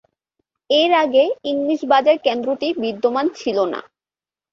এর আগে ইংলিশ বাজার কেন্দ্রটি বিদ্যমান ছিল না।